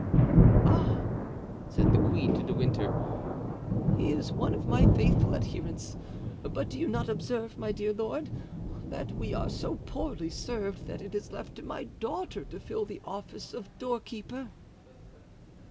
"Ah!" said the queen to De Winter, "he is one of my faithful adherents; but do you not observe, my dear lord, that we are so poorly served that it is left to my daughter to fill the office of doorkeeper?"